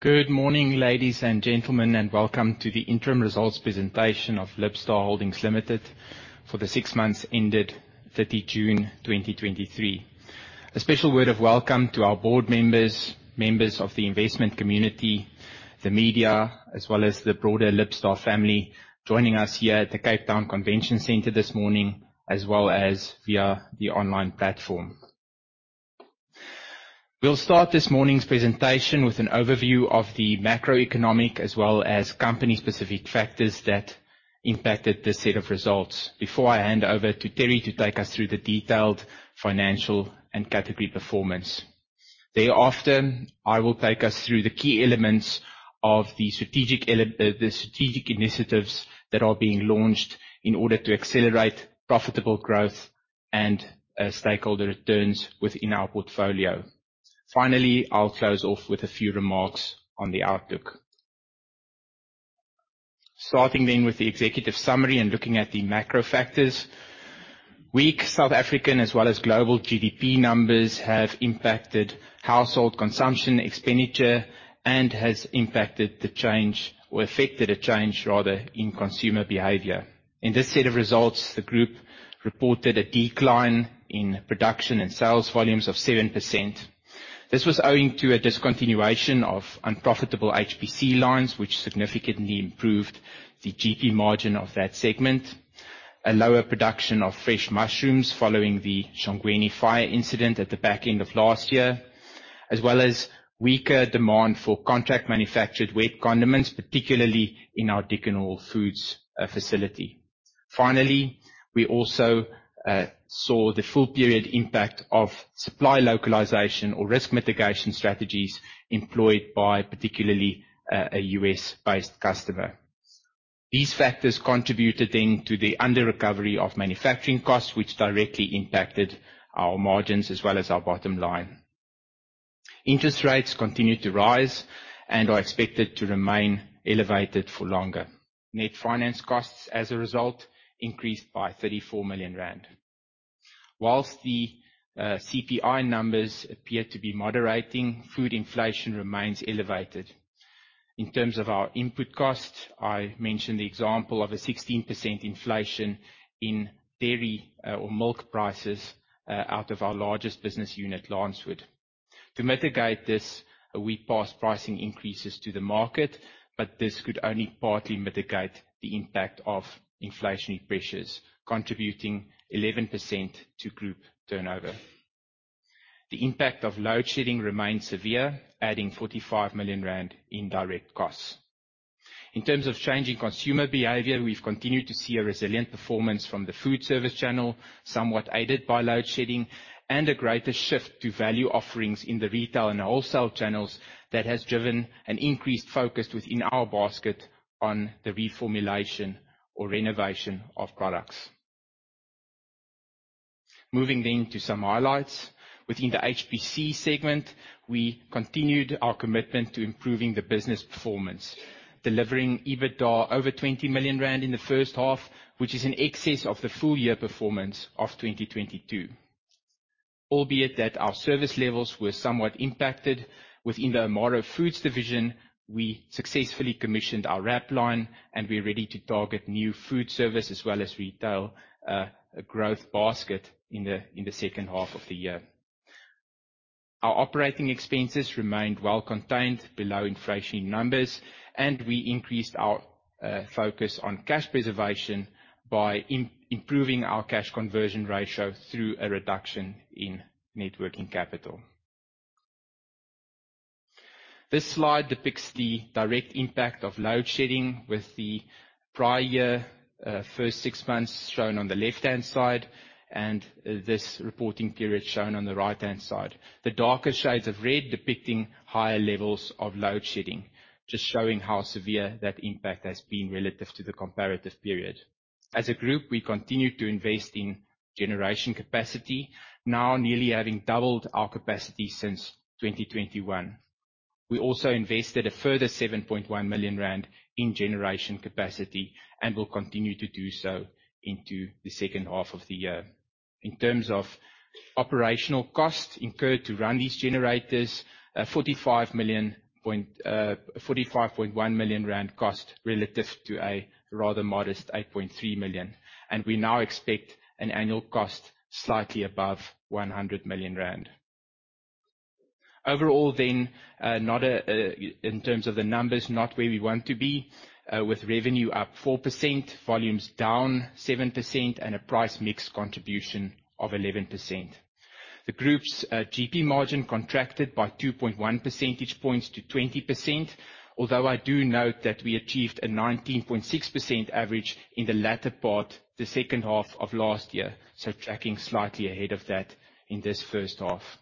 Good morning, ladies and gentlemen, and welcome to the interim results presentation of Libstar Holdings Limited for the six months ended 30 June 2023. A special word of welcome to our board members of the investment community, the media, as well as the broader Libstar family joining us here at the Cape Town Convention Center this morning, as well as via the online platform. We'll start this morning's presentation with an overview of the macroeconomic as well as company-specific factors that impacted this set of results before I hand over to Terri to take us through the detailed financial and category performance. Thereafter, I will take us through the key elements of the strategic initiatives that are being launched in order to accelerate profitable growth and stakeholder returns within our portfolio. I'll close off with a few remarks on the outlook. Looking at the macro factors. Weak South African as well as global GDP numbers have impacted household consumption expenditure and has impacted the change, or affected a change rather, in consumer behavior. In this set of results, the group reported a decline in production and sales volumes of 7%. This was owing to a discontinuation of unprofitable HPC lines, which significantly improved the GP margin of that segment, a lower production of fresh mushrooms following the Shongweni fire incident at the back end of last year, as well as weaker demand for contract manufactured wet condiments, particularly in our Dickon Hall Foods facility. We also saw the full period impact of supply localization or risk mitigation strategies employed by particularly a U.S.-based customer. These factors contributed to the under recovery of manufacturing costs, which directly impacted our margins as well as our bottom line. Interest rates continue to rise and are expected to remain elevated for longer. Net finance costs, as a result, increased by 34 million rand. Whilst the CPI numbers appear to be moderating, food inflation remains elevated. In terms of our input costs, I mentioned the example of a 16% inflation in dairy or milk prices out of our largest business unit, Lancewood. To mitigate this, we passed pricing increases to the market, but this could only partly mitigate the impact of inflationary pressures, contributing 11% to group turnover. The impact of load shedding remains severe, adding 45 million rand in direct costs. In terms of changing consumer behavior, we've continued to see a resilient performance from the food service channel, somewhat aided by load shedding, and a greater shift to value offerings in the retail and wholesale channels that has driven an increased focus within our basket on the reformulation or renovation of products. To some highlights. Within the HPC segment, we continued our commitment to improving the business performance, delivering EBITDA over 20 million rand in the first half, which is in excess of the full year performance of 2022. Albeit that our service levels were somewhat impacted within the Amaro Foods division, we successfully commissioned our wrap line, and we are ready to target new food service as well as retail growth basket in the second half of the year. Our operating expenses remained well contained below inflation numbers. We increased our focus on cash preservation by improving our cash conversion ratio through a reduction in networking capital. This slide depicts the direct impact of load shedding with the prior year first six months shown on the left-hand side and this reporting period shown on the right-hand side. The darker shades of red depicting higher levels of load shedding, just showing how severe that impact has been relative to the comparative period. As a group, we continued to invest in generation capacity, now nearly having doubled our capacity since 2021. We also invested a further 7.1 million rand in generation capacity and will continue to do so into the second half of the year. In terms of operational costs incurred to run these generators, 45.1 million cost relative to a rather modest 8.3 million. We now expect an annual cost slightly above 100 million rand. Overall, in terms of the numbers, not where we want to be, with revenue up 4%, volumes down 7%, and a price mix contribution of 11%. The group's GP margin contracted by 2.1 percentage points to 20%, although I do note that we achieved a 19.6% average in the latter part, the second half of last year, so tracking slightly ahead of that in this first half.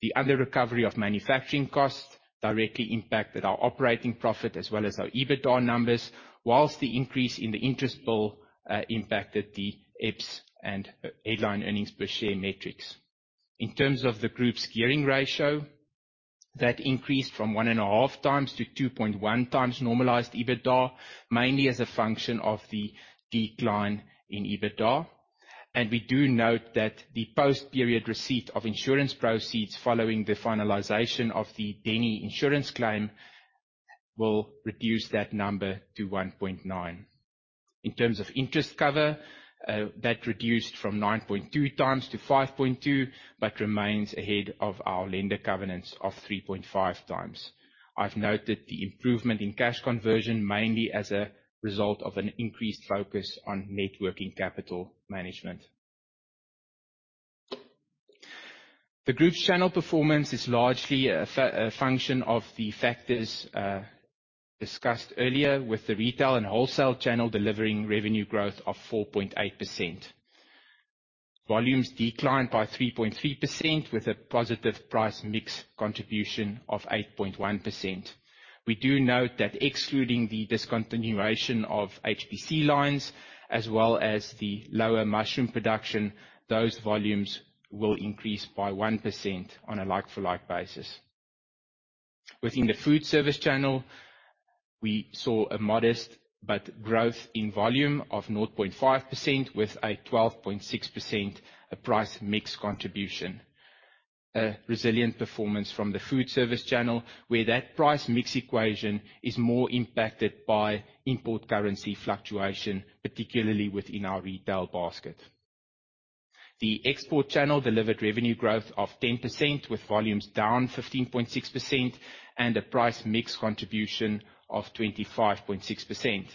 The under recovery of manufacturing costs directly impacted our operating profit as well as our EBITDA numbers, whilst the increase in the interest bill impacted the EPS and headline earnings per share metrics. In terms of the group's gearing ratio, that increased from 1.5 times to 2.1 times normalized EBITDA, mainly as a function of the decline in EBITDA. We do note that the post period receipt of insurance proceeds following the finalization of the Denny insurance claim will reduce that number to 1.9. In terms of interest cover, that reduced from 9.2 times to 5.2, but remains ahead of our lender covenants of 3.5 times. I've noted the improvement in cash conversion, mainly as a result of an increased focus on networking capital management. The group's channel performance is largely a function of the factors discussed earlier with the retail and wholesale channel delivering revenue growth of 4.8%. Volumes declined by 3.3% with a positive price mix contribution of 8.1%. We do note that excluding the discontinuation of HPC lines as well as the lower mushroom production, those volumes will increase by 1% on a like-for-like basis. Within the food service channel, we saw a modest but growth in volume of 0.5% with a 12.6% price mix contribution. A resilient performance from the food service channel, where that price mix equation is more impacted by import currency fluctuation, particularly within our retail basket. The export channel delivered revenue growth of 10% with volumes down 15.6% and a price mix contribution of 25.6%.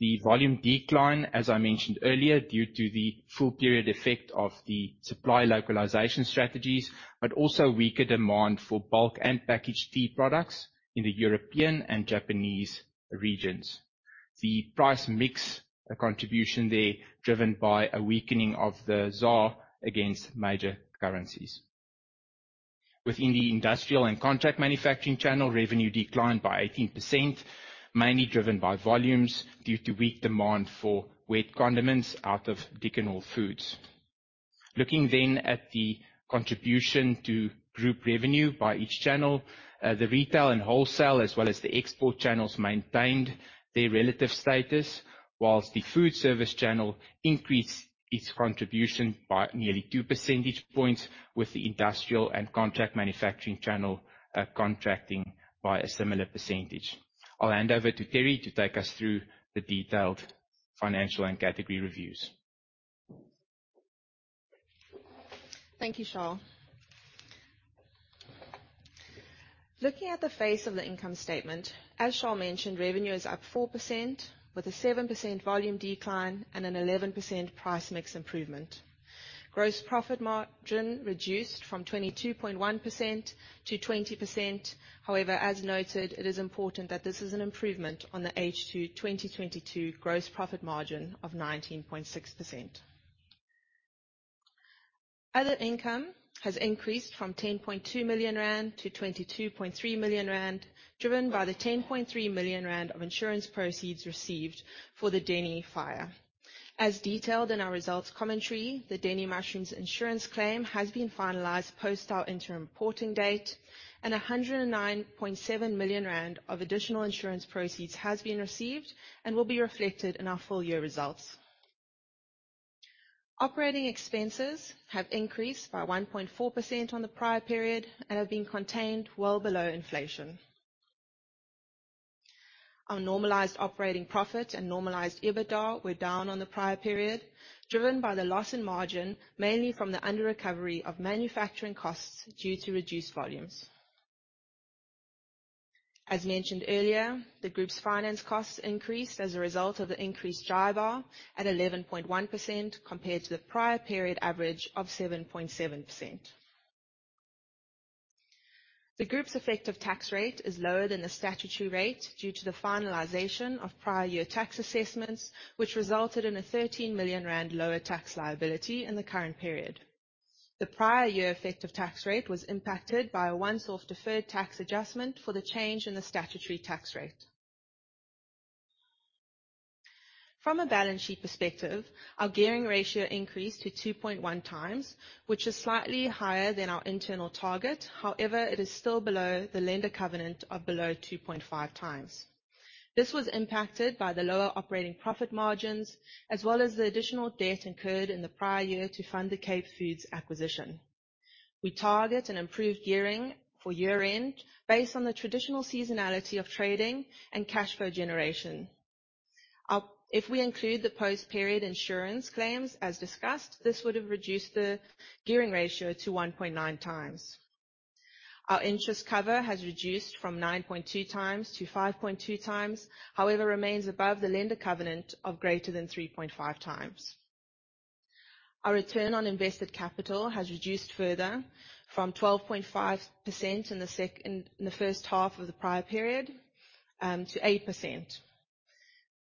The volume decline, as I mentioned earlier, due to the full period effect of the supply localization strategies, but also weaker demand for bulk and packaged tea products in the European and Japanese regions. The price mix contribution there driven by a weakening of the ZAR against major currencies. Within the industrial and contract manufacturing channel, revenue declined by 18%, mainly driven by volumes due to weak demand for wet condiments out of Dickon Hall Foods. Looking at the contribution to group revenue by each channel, the retail and wholesale, as well as the export channels, maintained their relative status, whilst the food service channel increased its contribution by nearly two percentage points, with the industrial and contract manufacturing channel contracting by a similar percentage. I'll hand over to Terri to take us through the detailed financial and category reviews. Thank you, Charl. Looking at the face of the income statement, as Charl mentioned, revenue is up 4% with a 7% volume decline and an 11% price mix improvement. Gross profit margin reduced from 22.1% to 20%. However, as noted, it is important that this is an improvement on the H2 2022 gross profit margin of 19.6%. Other income has increased from 10.2 million rand to 22.3 million rand, driven by the 10.3 million rand of insurance proceeds received for the Denny fire. As detailed in our results commentary, the Denny Mushrooms insurance claim has been finalized post our interim reporting date, and 109.7 million rand of additional insurance proceeds has been received and will be reflected in our full year results. Operating expenses have increased by 1.4% on the prior period and have been contained well below inflation. Our normalized operating profit and normalized EBITDA were down on the prior period, driven by the loss in margin, mainly from the under recovery of manufacturing costs due to reduced volumes. As mentioned earlier, the group's finance costs increased as a result of the increased JIBAR at 11.1%, compared to the prior period average of 7.7%. The group's effective tax rate is lower than the statutory rate due to the finalization of prior year tax assessments, which resulted in a 13 million rand lower tax liability in the current period. The prior year effective tax rate was impacted by a once-off deferred tax adjustment for the change in the statutory tax rate. From a balance sheet perspective, our gearing ratio increased to 2.1 times, which is slightly higher than our internal target. However, it is still below the lender covenant of below 2.5 times. This was impacted by the lower operating profit margins, as well as the additional debt incurred in the prior year to fund the Cape Foods acquisition. We target an improved gearing for year-end based on the traditional seasonality of trading and cash flow generation. If we include the post period insurance claims as discussed, this would have reduced the gearing ratio to 1.9 times. Our interest cover has reduced from 9.2 times to 5.2 times, however, remains above the lender covenant of greater than 3.5 times. Our return on invested capital has reduced further from 12.5% in the first half of the prior period to 8%.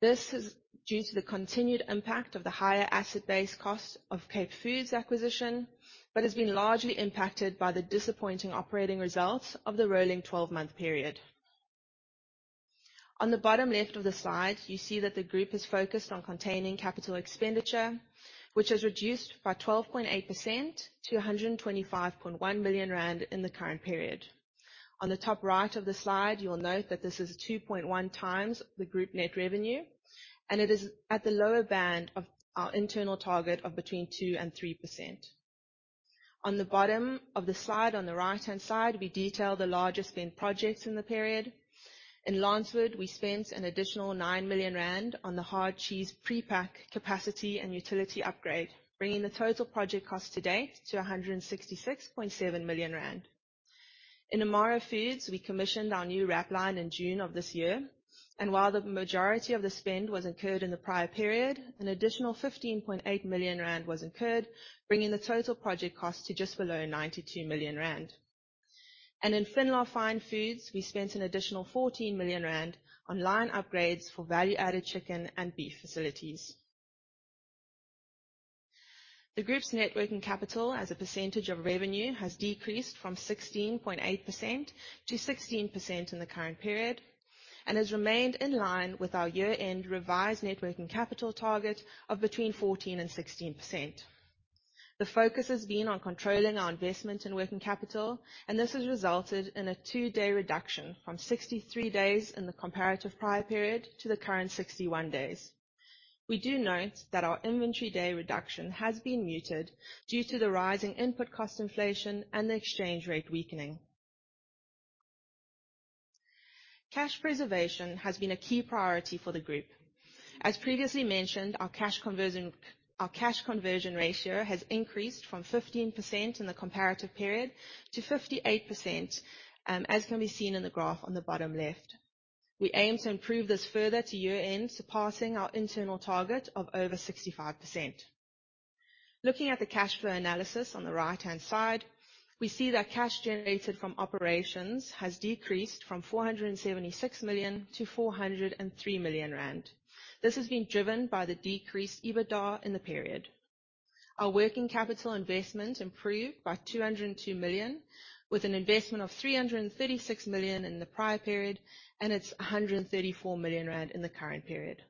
This is due to the continued impact of the higher asset-based cost of Cape Foods acquisition, but has been largely impacted by the disappointing operating results of the rolling 12-month period. On the bottom left of the slide, you see that the group is focused on containing capital expenditure, which has reduced by 12.8% to 125.1 million rand in the current period. On the top right of the slide, you will note that this is 2.1 times the group net revenue, and it is at the lower band of our internal target of between 2% and 3%. On the bottom of the slide, on the right-hand side, we detail the largest spend projects in the period. In Lancewood, we spent an additional 9 million rand on the hard cheese prepack capacity and utility upgrade, bringing the total project cost to date to 166.7 million rand. In Amaro Foods, we commissioned our new wrap line in June of this year, while the majority of the spend was incurred in the prior period, an additional 15.8 million rand was incurred, bringing the total project cost to just below 92 million rand. In Finlar Fine Foods, we spent an additional 14 million rand on line upgrades for value-added chicken and beef facilities. The group's net working capital as a percentage of revenue has decreased from 16.8% to 16% in the current period, and has remained in line with our year-end revised net working capital target of between 14% and 16%. The focus has been on controlling our investment in working capital, and this has resulted in a two-day reduction from 63 days in the comparative prior period to the current 61 days. We do note that our inventory day reduction has been muted due to the rise in input cost inflation and the exchange rate weakening. Cash preservation has been a key priority for the group. As previously mentioned, our cash conversion ratio has increased from 15% in the comparative period to 58%, as can be seen in the graph on the bottom left. We aim to improve this further to year-end, surpassing our internal target of over 65%. Looking at the cash flow analysis on the right-hand side, we see that cash generated from operations has decreased from 476 million to 403 million rand. This has been driven by the decreased EBITDA in the period. Our working capital investment improved by 202 million, with an investment of 336 million in the prior period, and it's 134 million rand in the current period.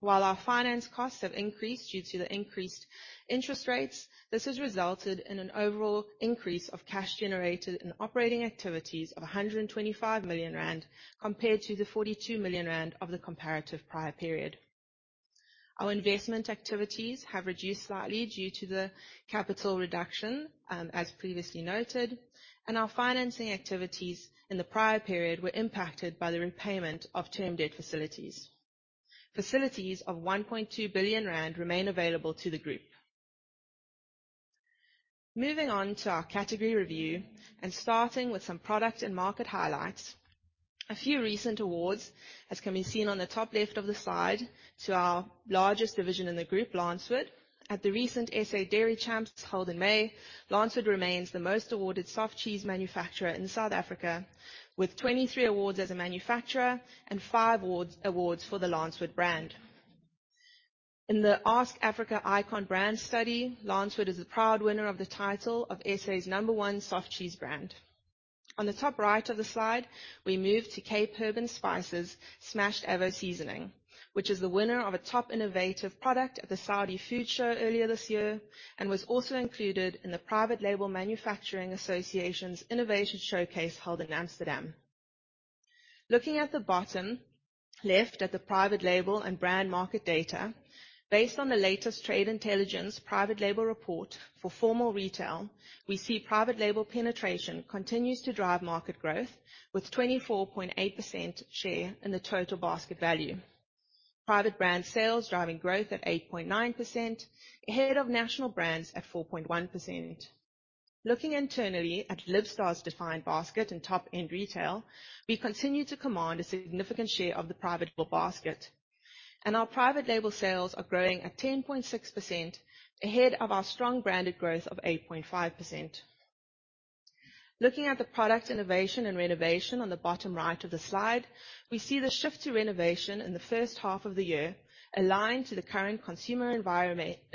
While our finance costs have increased due to the increased interest rates, this has resulted in an overall increase of cash generated in operating activities of 125 million rand compared to the 42 million rand of the comparative prior period. Our investment activities have reduced slightly due to the capital reduction, as previously noted, our financing activities in the prior period were impacted by the repayment of term debt facilities. Facilities of 1.2 billion rand remain available to the group. Moving on to our category review and starting with some product and market highlights. A few recent awards, as can be seen on the top left of the slide, to our largest division in the group, Lancewood. At the recent SA Dairy Championships held in May, Lancewood remains the most awarded soft cheese manufacturer in South Africa, with 23 awards as a manufacturer and five awards for the Lancewood brand. In the Ask Afrika Icon Brands survey, Lancewood is the proud winner of the title of SA's number one soft cheese brand. On the top right of the slide, we move to Cape Herb & Spice's Smashed Avo Seasoning, which is the winner of a top innovative product at The Saudi Food Show earlier this year and was also included in the Private Label Manufacturers Association's Innovation Showcase held in Amsterdam. Looking at the bottom left at the private label and brand market data, based on the latest trade intelligence private label report for formal retail, we see private label penetration continues to drive market growth with 24.8% share in the total basket value. Private brand sales driving growth at 8.9%, ahead of national brands at 4.1%. Looking internally at Libstar's defined basket and top-end retail, we continue to command a significant share of the private label basket, and our private label sales are growing at 10.6%, ahead of our strong branded growth of 8.5%. Looking at the product innovation and renovation on the bottom right of the slide, we see the shift to renovation in the first half of the year aligned to the current consumer environment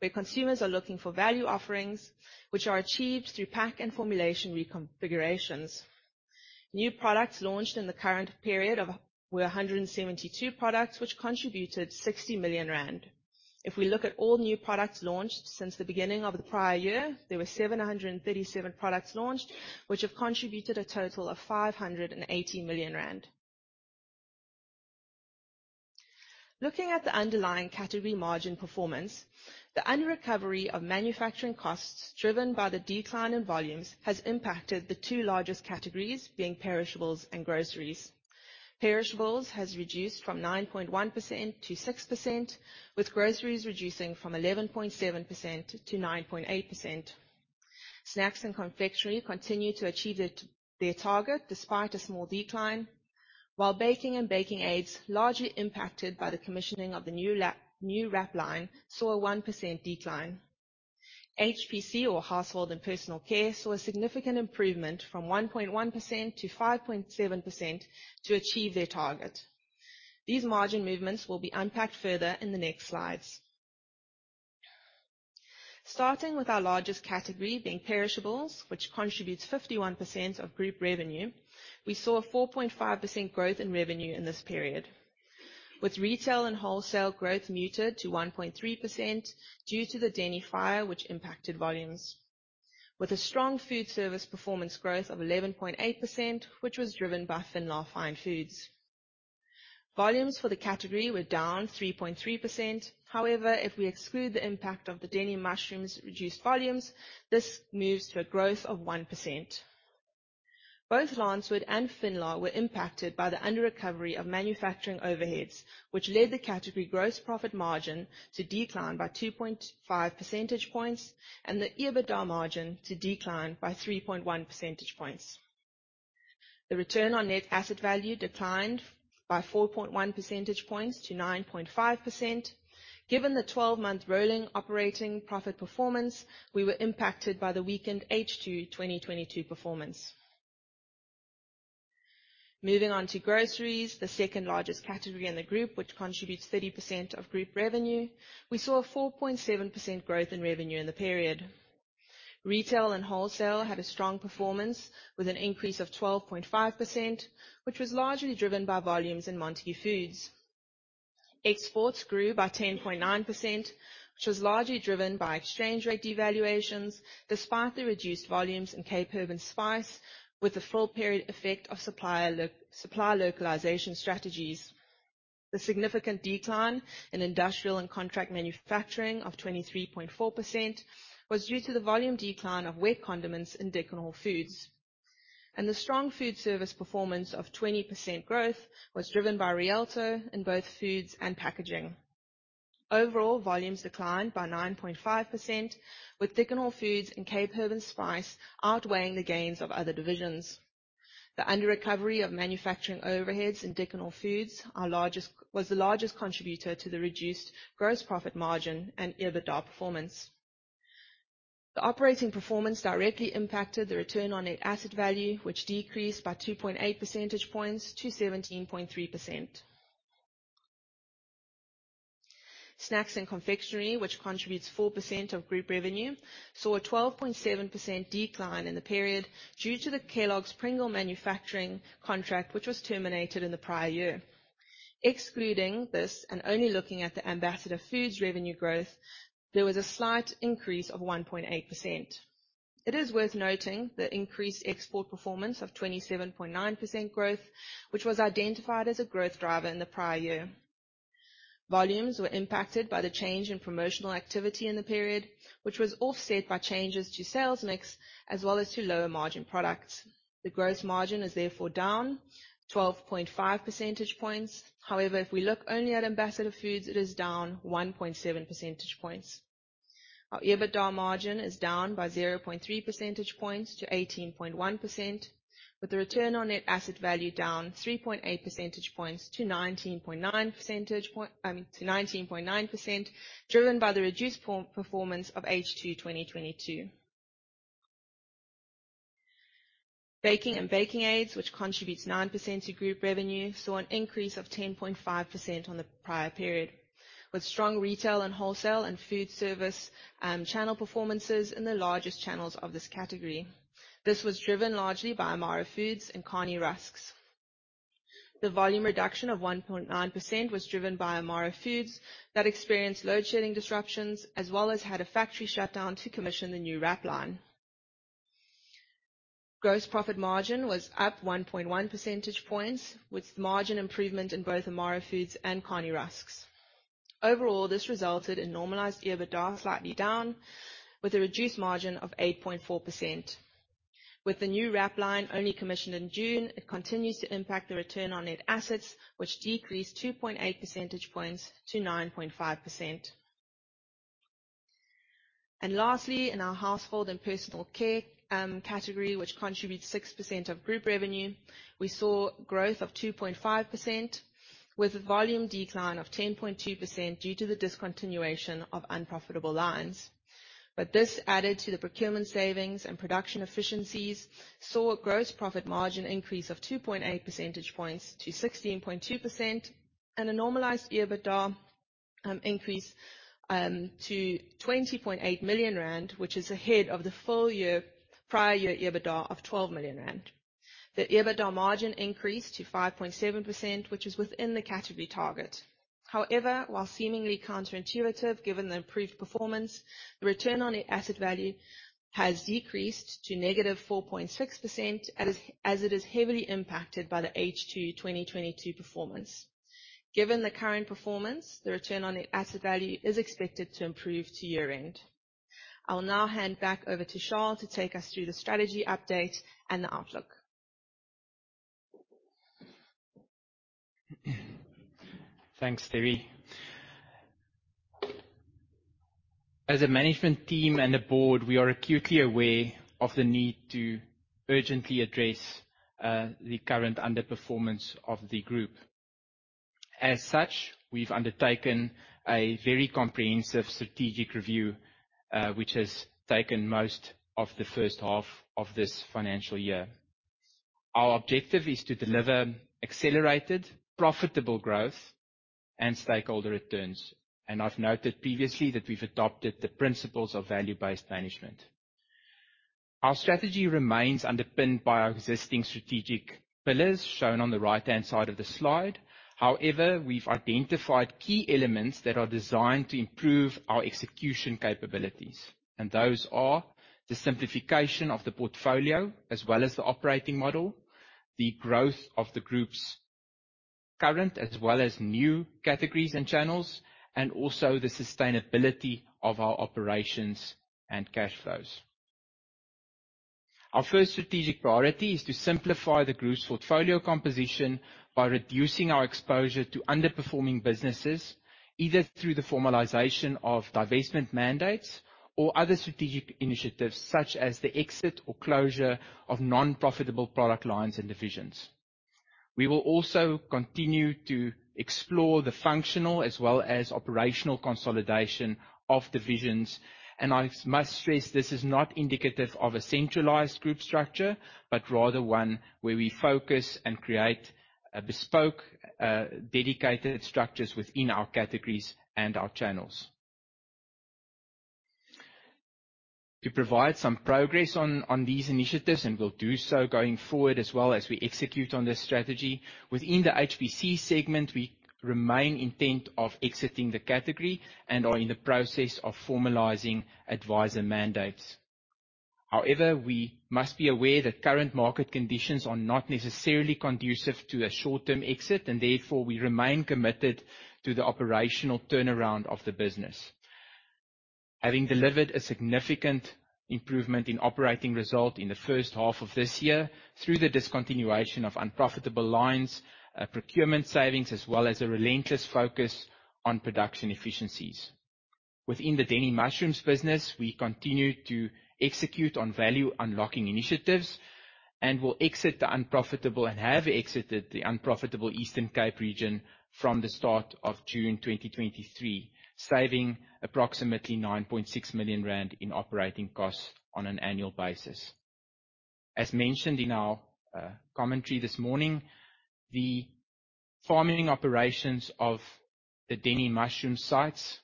where consumers are looking for value offerings which are achieved through pack and formulation reconfigurations. New products launched in the current period were 172 products, which contributed 60 million rand. If we look at all new products launched since the beginning of the prior year, there were 737 products launched, which have contributed a total of 580 million rand. Looking at the underlying category margin performance, the unrecovery of manufacturing costs driven by the decline in volumes has impacted the two largest categories, being perishables and groceries. Perishables has reduced from 9.1% to 6%, with groceries reducing from 11.7% to 9.8%. Snacks and confectionery continue to achieve their target despite a small decline, while baking and baking aids, largely impacted by the commissioning of the new wrap line, saw a one percent decline. HPC or Home and Personal Care, saw a significant improvement from 1.1% to 5.7% to achieve their target. These margin movements will be unpacked further in the next slides. Starting with our largest category being perishables, which contributes 51% of group revenue, we saw a 4.5% growth in revenue in this period. With retail and wholesale growth muted to 1.3% due to the Denny Mushrooms fire, which impacted volumes. With a strong food service performance growth of 11.8%, which was driven by Finlar Fine Foods. Volumes for the category were down 3.3%. However, if we exclude the impact of the Denny Mushrooms reduced volumes, this moves to a growth of one percent. Both Lancewood and Finlar were impacted by the under-recovery of manufacturing overheads, which led the category gross profit margin to decline by 2.5 percentage points and the EBITDA margin to decline by 3.1 percentage points. The return on net asset value declined by 4.1 percentage points to 9.5%. Given the 12-month rolling operating profit performance, we were impacted by the weakened H2 2022 performance. Moving on to groceries, the second-largest category in the group, which contributes 30% of group revenue, we saw a 4.7% growth in revenue in the period. Retail and wholesale had a strong performance with an increase of 12.5%, which was largely driven by volumes in Montagu Foods. Exports grew by 10.9%, which was largely driven by exchange rate devaluations, despite the reduced volumes in Cape Herb & Spice, with the full period effect of supplier localization strategies. The significant decline in industrial and contract manufacturing of 23.4% was due to the volume decline of wet condiments in Dickon Hall Foods. The strong food service performance of 20% growth was driven by Rialto in both foods and packaging. Overall volumes declined by 9.5%, with Dickon Hall Foods and Cape Herb & Spice outweighing the gains of other divisions. The under-recovery of manufacturing overheads in Dickon Hall Foods was the largest contributor to the reduced gross profit margin and EBITDA performance. The operating performance directly impacted the return on net asset value, which decreased by 2.8 percentage points to 17.3%. Snacks and confectionery, which contributes 4% of group revenue, saw a 12.7% decline in the period due to the Kellogg's Pringle manufacturing contract, which was terminated in the prior year. Excluding this and only looking at the Ambassador Foods revenue growth, there was a slight increase of 1.8%. It is worth noting the increased export performance of 27.9% growth, which was identified as a growth driver in the prior year. Volumes were impacted by the change in promotional activity in the period, which was offset by changes to sales mix as well as to lower margin products. The gross margin is therefore down 12.5 percentage points. However, if we look only at Ambassador Foods, it is down 1.7 percentage points. Our EBITDA margin is down by 0.3 percentage points to 18.1%, with the return on net asset value down 3.8 percentage points to 19.9%, driven by the reduced performance of H2 2022. Baking and baking aids, which contributes 9% to group revenue, saw an increase of 10.5% on the prior period. With strong retail and wholesale and food service, channel performances in the largest channels of this category. This was driven largely by Amaro Foods and Cani Rusks. The volume reduction of 1.9% was driven by Amaro Foods that experienced load shedding disruptions, as well as had a factory shutdown to commission the new wrap line. Gross profit margin was up 1.1 percentage points, with margin improvement in both Amaro Foods and Cani Rusks. Overall, this resulted in normalized EBITDA slightly down, with a reduced margin of 8.4%. With the new wrap line only commissioned in June, it continues to impact the return on net assets, which decreased 2.8 percentage points to 9.5%. Lastly, in our household and personal care category, which contributes 6% of group revenue, we saw growth of 2.5% with a volume decline of 10.2% due to the discontinuation of unprofitable lines. This added to the procurement savings and production efficiencies, saw a gross profit margin increase of 2.8 percentage points to 16.2% and a normalized EBITDA increase to 20.8 million rand, which is ahead of the full year, prior year EBITDA of 12 million rand. The EBITDA margin increased to 5.7%, which is within the category target. However, while seemingly counterintuitive, given the improved performance, the return on net asset value has decreased to negative 4.6% as it is heavily impacted by the H2 2022 performance. Given the current performance, the return on net asset value is expected to improve to year-end. I will now hand back over to Charl to take us through the strategy update and the outlook. Thanks, Terri. As a management team and a board, we are acutely aware of the need to urgently address the current underperformance of the group. As such, we've undertaken a very comprehensive strategic review, which has taken most of the first half of this financial year. Our objective is to deliver accelerated, profitable growth and stakeholder returns, and I've noted previously that we've adopted the principles of value-based management. Our strategy remains underpinned by our existing strategic pillars, shown on the right-hand side of the slide. However, we've identified key elements that are designed to improve our execution capabilities. Those are the simplification of the portfolio as well as the operating model, the growth of the Group's current, as well as new categories and channels, and also the sustainability of our operations and cash flows. Our first strategic priority is to simplify the Group's portfolio composition by reducing our exposure to underperforming businesses, either through the formalization of divestment mandates or other strategic initiatives, such as the exit or closure of non-profitable product lines and divisions. We will also continue to explore the functional as well as operational consolidation of divisions. I must stress, this is not indicative of a centralized group structure, but rather one where we focus and create bespoke, dedicated structures within our categories and our channels. To provide some progress on these initiatives, and we'll do so going forward as well as we execute on this strategy. Within the HPC segment, we remain intent of exiting the category and are in the process of formalizing advisor mandates. However, we must be aware that current market conditions are not necessarily conducive to a short-term exit, and therefore, we remain committed to the operational turnaround of the business. Having delivered a significant improvement in operating result in the first half of this year through the discontinuation of unprofitable lines, procurement savings, as well as a relentless focus on production efficiencies. Within the Denny Mushrooms business, we continue to execute on value unlocking initiatives and will exit the unprofitable, and have exited the unprofitable Eastern Cape region from the start of June 2023, saving approximately 9.6 million rand in operating costs on an annual basis. As mentioned in our commentary this morning, the farming operations of the Denny Mushrooms sites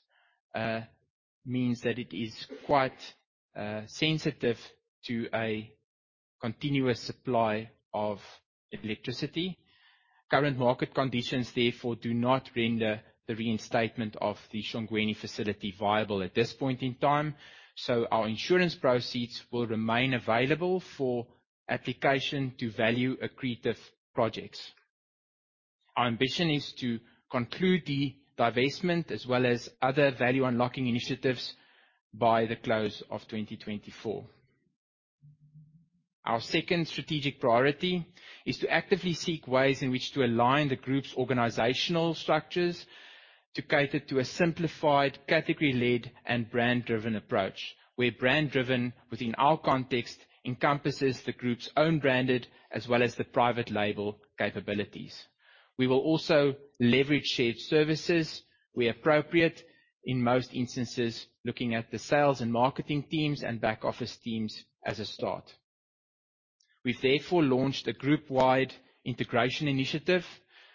means that it is quite sensitive to a continuous supply of electricity. Current market conditions, therefore, do not render the reinstatement of the Shongweni facility viable at this point in time. Our insurance proceeds will remain available for application to value accretive projects. Our ambition is to conclude the divestment as well as other value unlocking initiatives by the close of 2024. Our second strategic priority is to actively seek ways in which to align the Group's organizational structures to cater to a simplified category lead and brand-driven approach. Where brand-driven, within our context, encompasses the Group's own branded as well as the private label capabilities. We will also leverage shared services where appropriate, in most instances, looking at the sales and marketing teams and back office teams as a start. We've therefore launched a group-wide integration initiative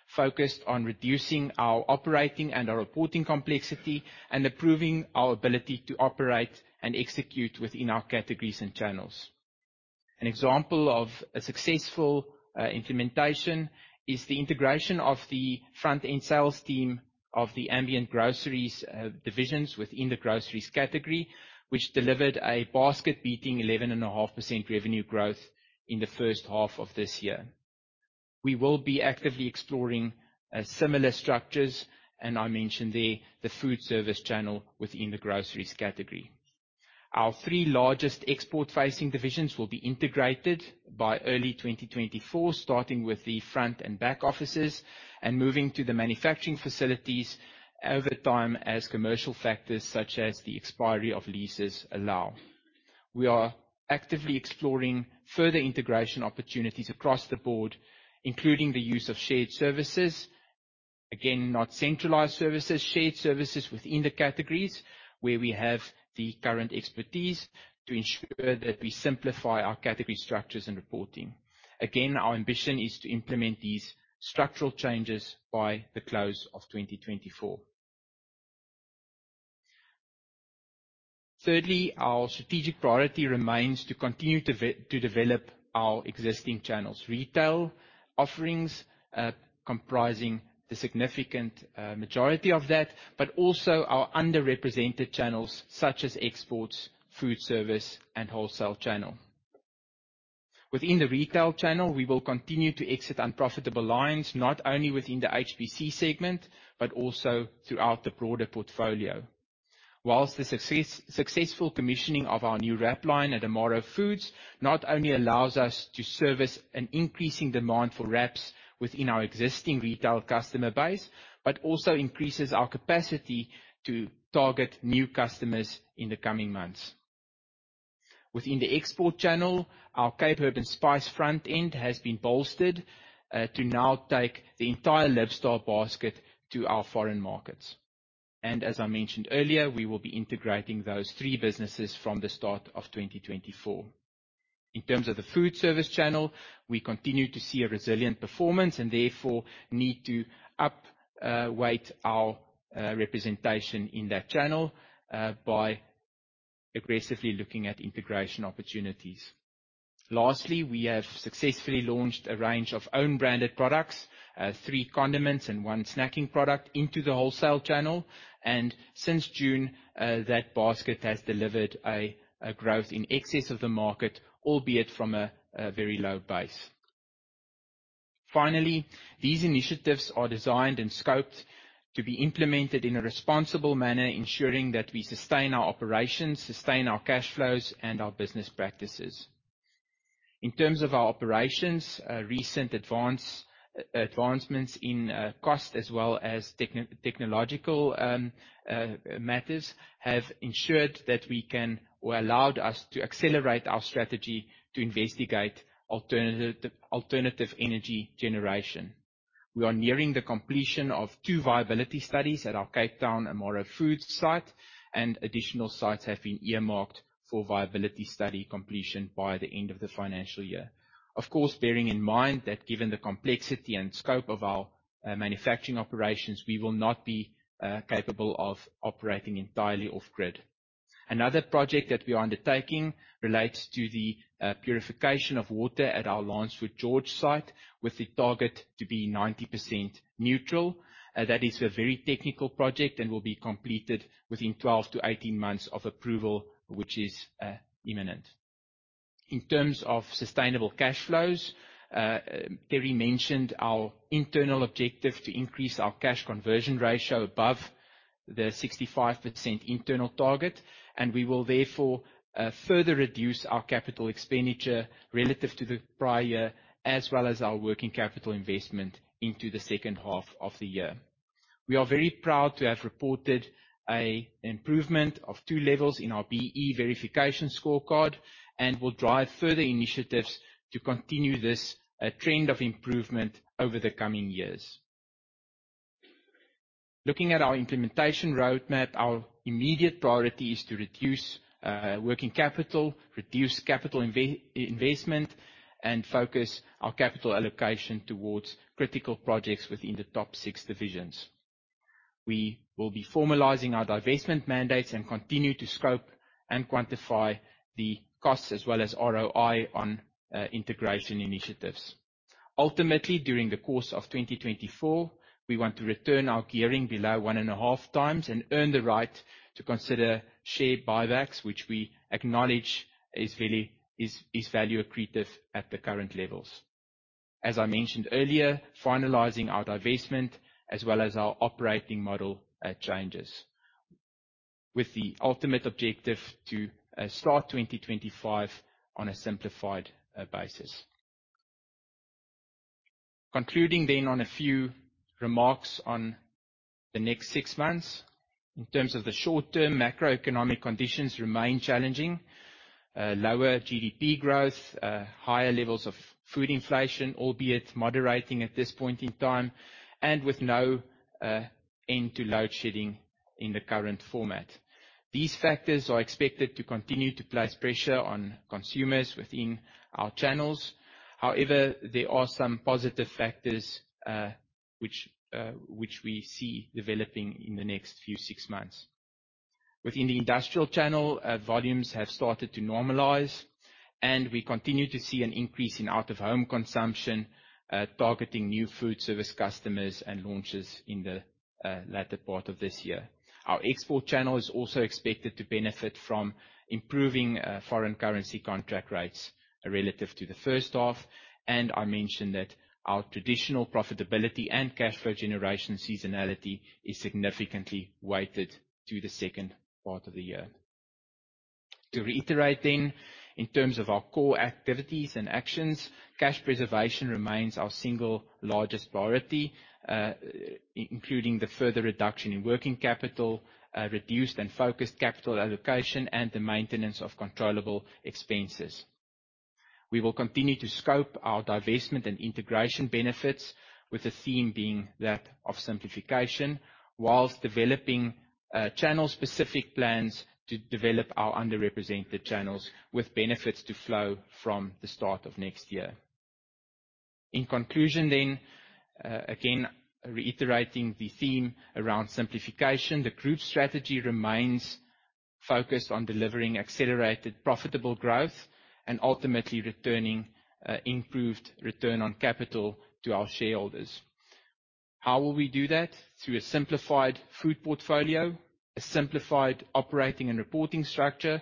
focused on reducing our operating and our reporting complexity and improving our ability to operate and execute within our categories and channels. An example of a successful implementation is the integration of the front-end sales team of the ambient groceries divisions within the groceries category, which delivered a basket beating 11.5% revenue growth in the first half of this year. We will be actively exploring similar structures. I mentioned there the food service channel within the groceries category. Our three largest export-facing divisions will be integrated by early 2024, starting with the front and back offices and moving to the manufacturing facilities over time as commercial factors such as the expiry of leases allow. We are actively exploring further integration opportunities across the board, including the use of shared services. Again, not centralized services, shared services within the categories where we have the current expertise to ensure that we simplify our category structures and reporting. Again, our ambition is to implement these structural changes by the close of 2024. Thirdly, our strategic priority remains to continue to develop our existing channels. Retail offerings comprising the significant majority of that, also our underrepresented channels such as exports, food service, and wholesale channel. Whilst the successful commissioning of our new wrap line at Amaro Foods not only allows us to service an increasing demand for wraps within our existing retail customer base, also increases our capacity to target new customers in the coming months. Within the export channel, our Cape Herb & Spice front end has been bolstered to now take the entire Libstar basket to our foreign markets. As I mentioned earlier, we will be integrating those three businesses from the start of 2024. In terms of the food service channel, we continue to see a resilient performance, therefore need to up weight our representation in that channel by aggressively looking at integration opportunities. Lastly, we have successfully launched a range of own branded products, three condiments and one snacking product into the wholesale channel. Since June, that basket has delivered a growth in excess of the market, albeit from a very low base. Finally, these initiatives are designed and scoped to be implemented in a responsible manner, ensuring that we sustain our operations, sustain our cash flows and our business practices. In terms of our operations, recent advancements in cost as well as technological matters have ensured that we can or allowed us to accelerate our strategy to investigate alternative energy generation. We are nearing the completion of two viability studies at our Cape Town Amaro Foods site, additional sites have been earmarked for viability study completion by the end of the financial year. Of course, bearing in mind that given the complexity and scope of our manufacturing operations, we will not be capable of operating entirely off grid. Another project that we are undertaking relates to the purification of water at our Lancewood George site with the target to be 90% neutral. That is a very technical project and will be completed within 12 to 18 months of approval, which is imminent. In terms of sustainable cash flows, Terri mentioned our internal objective to increase our cash conversion ratio above the 65% internal target, we will therefore further reduce our capital expenditure relative to the prior year, as well as our working capital investment into the second half of the year. We are very proud to have reported an improvement of 2 levels in our B-BBEE verification scorecard and will drive further initiatives to continue this trend of improvement over the coming years. Looking at our implementation roadmap, our immediate priority is to reduce working capital, reduce capital investment, and focus our capital allocation towards critical projects within the top 6 divisions. We will be formalizing our divestment mandates and continue to scope and quantify the costs as well as ROI on integration initiatives. Ultimately, during the course of 2024, we want to return our gearing below one and a half times and earn the right to consider share buybacks, which we acknowledge is value accretive at the current levels. As I mentioned earlier, finalizing our divestment as well as our operating model changes with the ultimate objective to start 2025 on a simplified basis. Concluding then on a few remarks on the next six months. In terms of the short term, macroeconomic conditions remain challenging. Lower GDP growth, higher levels of food inflation, albeit moderating at this point in time, with no end to load shedding in the current format. These factors are expected to continue to place pressure on consumers within our channels. However, there are some positive factors which we see developing in the next few six months. Within the industrial channel, volumes have started to normalize, we continue to see an increase in out of home consumption, targeting new food service customers and launches in the latter part of this year. Our export channel is also expected to benefit from improving foreign currency contract rates relative to the first half, I mentioned that our traditional profitability and cash flow generation seasonality is significantly weighted to the second part of the year. To reiterate, in terms of our core activities and actions, cash preservation remains our single largest priority, including the further reduction in working capital, reduced and focused capital allocation, and the maintenance of controllable expenses. We will continue to scope our divestment and integration benefits, with the theme being that of simplification, whilst developing channel specific plans to develop our underrepresented channels with benefits to flow from the start of next year. In conclusion, again reiterating the theme around simplification, the group strategy remains focused on delivering accelerated profitable growth and ultimately returning improved return on capital to our shareholders. How will we do that? Through a simplified food portfolio, a simplified operating and reporting structure,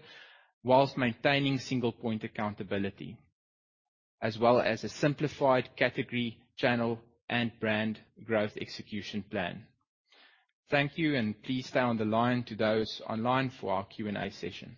whilst maintaining single point accountability. As well as a simplified category, channel and brand growth execution plan. Thank you and please stay on the line to those online for our Q&A session.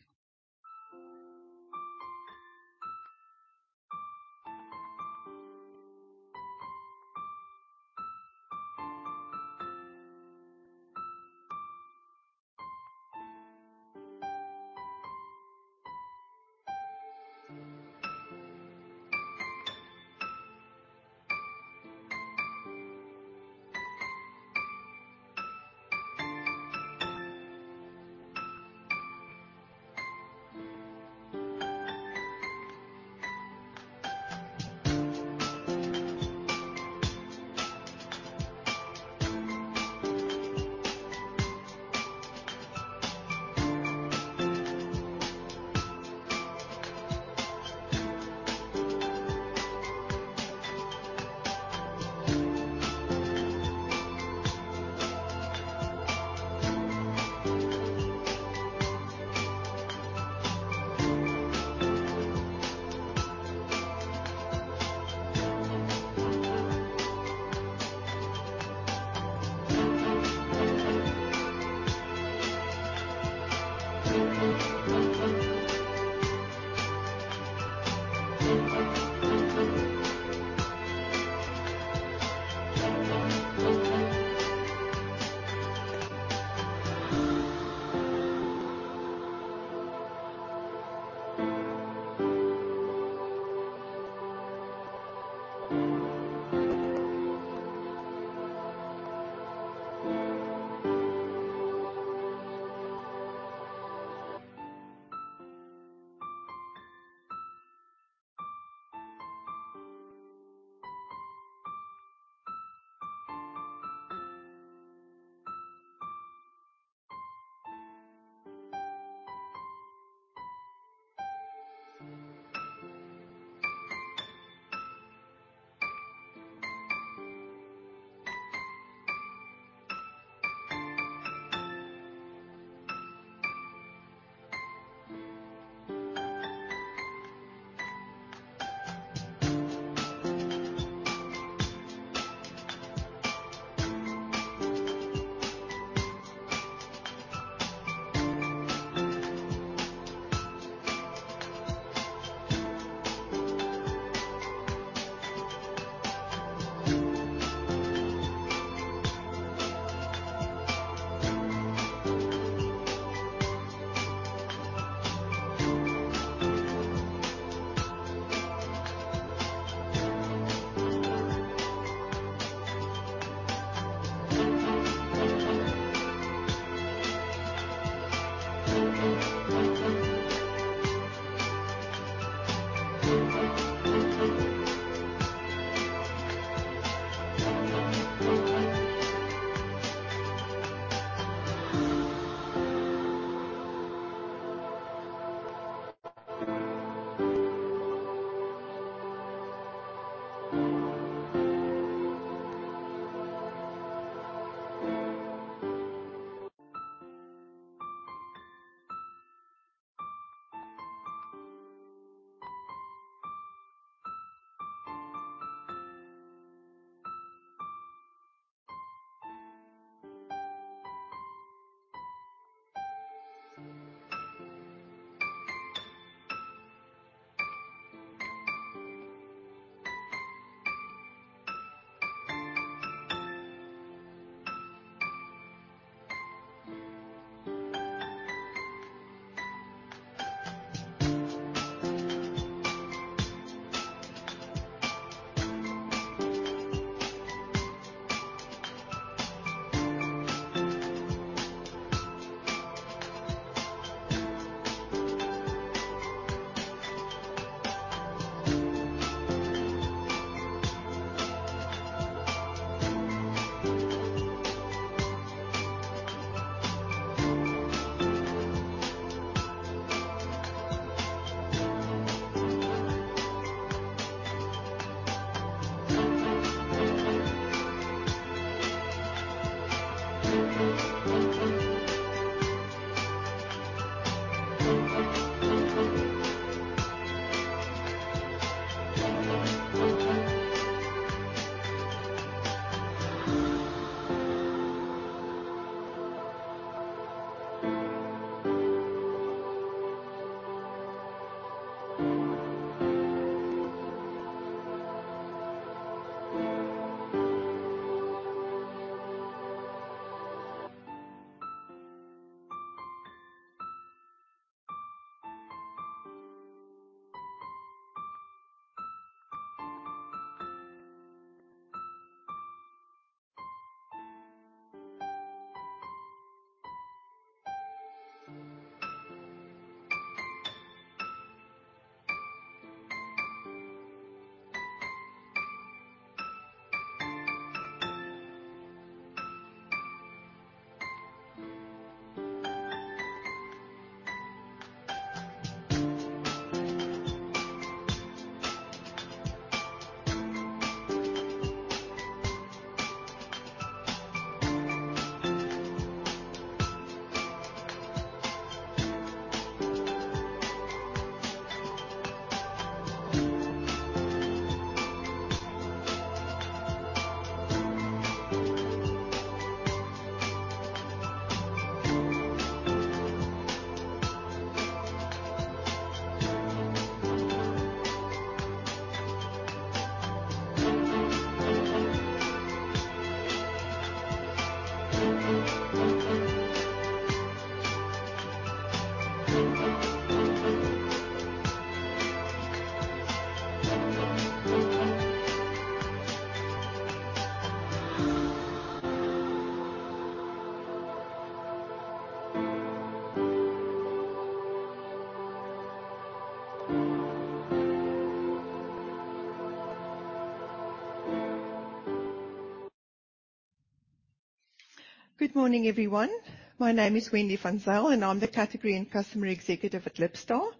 Good morning, everyone. My name is Wendy Van Zyl, and I'm the Category and Customer Executive at Libstar.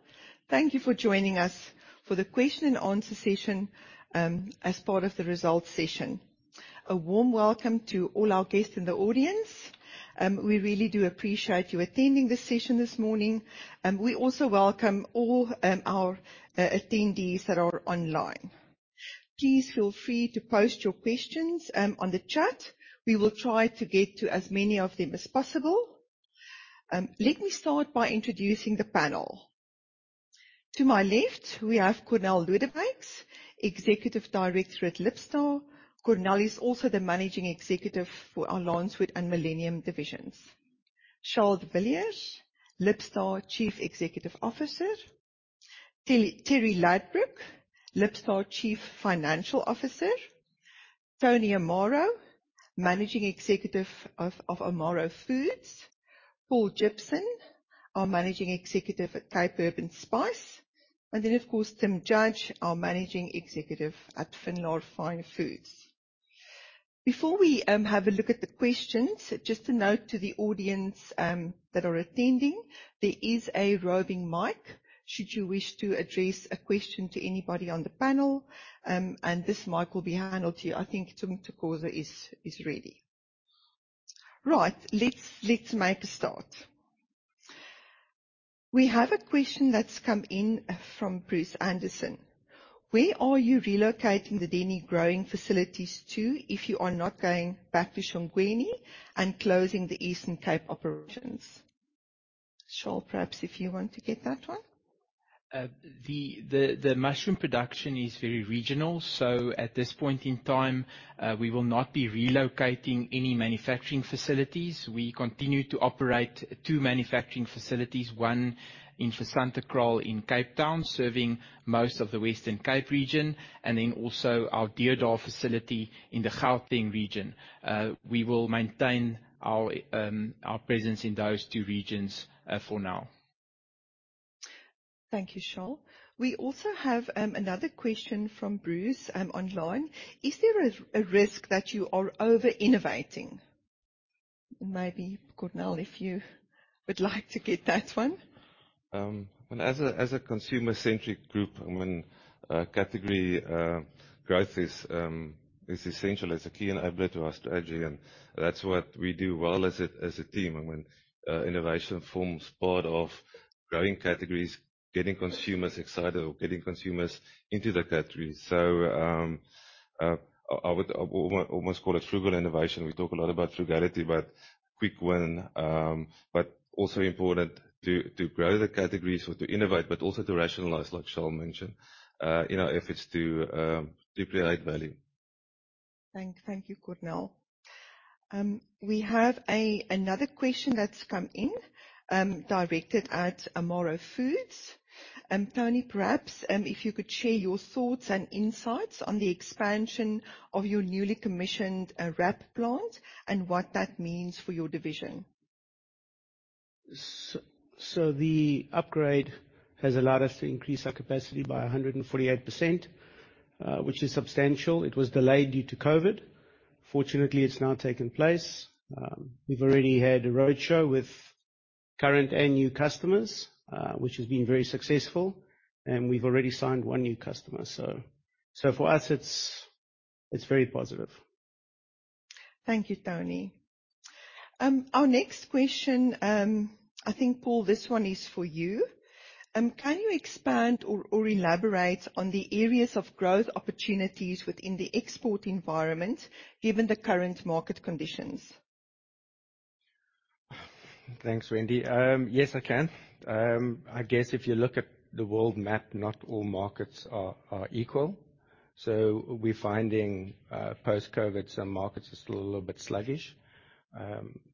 Thank you for joining us for the question and answer session as part of the results session. A warm welcome to all our guests in the audience. We really do appreciate you attending this session this morning. We also welcome all our attendees that are online. Please feel free to post your questions on the chat. We will try to get to as many of them as possible. Let me start by introducing the panel. To my left, we have Cornél Lodewyks, Executive Director at Libstar. Cornél is also the Managing Executive for our Lancewood and Millennium divisions. Charl de Villiers, Libstar Chief Executive Officer. Terri Ladbrooke, Libstar Chief Financial Officer. Tony Amaro, Managing Executive of Amaro Foods. Paul Gibson, our Managing Executive at Cape Herb & Spice. Of course, Tim Judge, our Managing Executive at Finlar Fine Foods. Before we have a look at the questions, just a note to the audience that are attending, there is a roving mic should you wish to address a question to anybody on the panel, and this mic will be handed to you. I think Tum Tukozela is ready. Right. Let's make a start. We have a question that's come in from Bruce Anderson. Where are you relocating the Denny growing facilities to if you are not going back to Shongweni and closing the Eastern Cape operations? Charl, perhaps if you want to get that one. The mushroom production is very regional, at this point in time, we will not be relocating any manufacturing facilities. We continue to operate two manufacturing facilities, one in Franschhoek in Cape Town, serving most of the Western Cape region, also our Deodar facility in the Gauteng region. We will maintain our presence in those two regions for now. Thank you, Charl. We also have another question from Bruce online. Is there a risk that you are over-innovating? Maybe Cornél, if you would like to get that one. As a consumer-centric group, category growth is essential as a key enabler to our strategy. That's what we do well as a team. When innovation forms part of growing categories, getting consumers excited or getting consumers into the category. I would almost call it frugal innovation. We talk a lot about frugality, about quick win, also important to grow the categories or to innovate, but also to rationalize, like Charl mentioned, in our efforts to create value. Thank you, Cornél. We have another question that's come in directed at Amaro Foods. Tony, perhaps, if you could share your thoughts and insights on the expansion of your newly commissioned wrap plant and what that means for your division. The upgrade has allowed us to increase our capacity by 148%, which is substantial. It was delayed due to COVID. Fortunately, it's now taken place. We've already had a roadshow with current and new customers, which has been very successful, and we've already signed one new customer. For us, it's very positive. Thank you, Tony. Our next question, I think, Paul, this one is for you. Can you expand or elaborate on the areas of growth opportunities within the export environment given the current market conditions? Thanks, Wendy. Yes, I can. I guess if you look at the world map, not all markets are equal. We're finding post-COVID, some markets are still a little bit sluggish.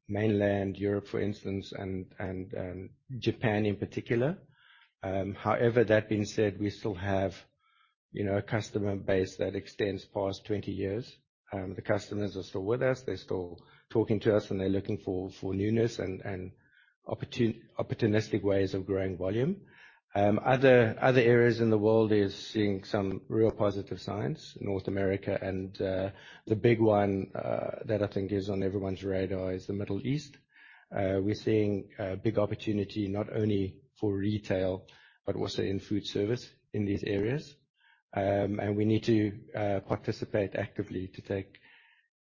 Mainland Europe, for instance, and Japan in particular. That being said, we still have a customer base that extends past 20 years. The customers are still with us, they're still talking to us, and they're looking for newness and opportunistic ways of growing volume. Other areas in the world is seeing some real positive signs. North America and the big one that I think is on everyone's radar is the Middle East. We're seeing a big opportunity not only for retail but also in food service in these areas. We need to participate actively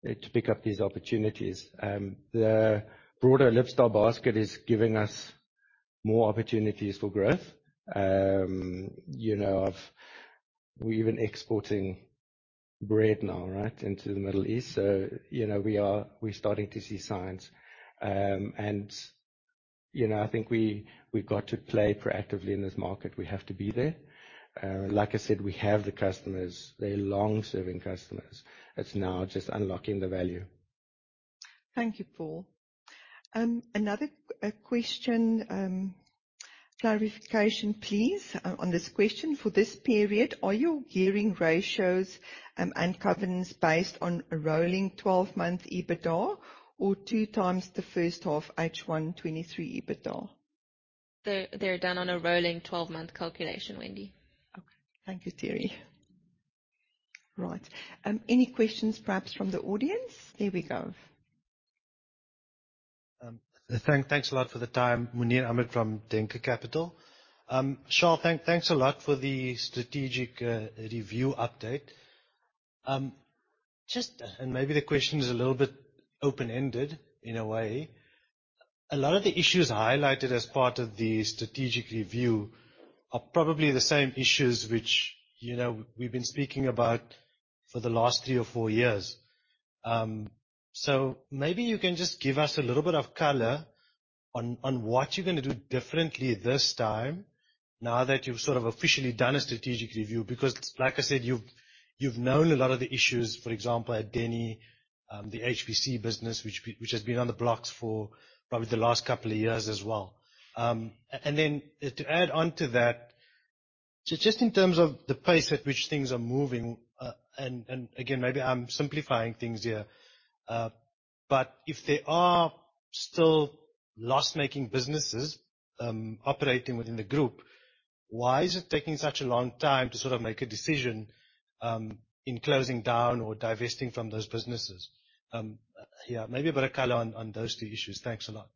to pick up these opportunities. The broader Libstar basket is giving us more opportunities for growth. We're even exporting bread now into the Middle East. We're starting to see signs. I think we've got to play proactively in this market. We have to be there. Like I said, we have the customers, they're long-serving customers. It's now just unlocking the value. Thank you, Paul. Another question, clarification, please, on this question. For this period, are your gearing ratios and covenants based on a rolling 12-month EBITDA or two times the first half H1 2023 EBITDA? They're done on a rolling 12-month calculation, Wendy. Okay. Thank you, Terri. Right. Any questions perhaps from the audience? There we go. Thanks a lot for the time. Muneer Ahmed from Denker Capital. Charl, thanks a lot for the strategic review update. Maybe the question is a little bit open-ended in a way. A lot of the issues highlighted as part of the strategic review are probably the same issues which we've been speaking about for the last three or four years. Maybe you can just give us a little bit of color on what you're going to do differently this time now that you've sort of officially done a strategic review, because like I said, you've known a lot of the issues, for example, at Denny, the HPC business, which has been on the blocks for probably the last couple of years as well. Then to add onto that, just in terms of the pace at which things are moving, again, maybe I'm simplifying things here, if there are still loss-making businesses operating within the group, why is it taking such a long time to sort of make a decision in closing down or divesting from those businesses? Maybe a bit of color on those two issues. Thanks a lot.